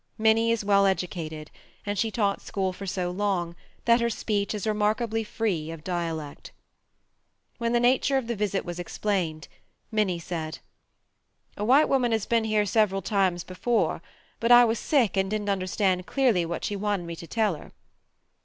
Minnie is well educated, and she taught school for so long that her speech is remarkably free of dialect. When the nature of the visit was explained, Minnie said: "A white woman has been here several times before, but I was sick and didn't understand clearly what she wanted me to tell her."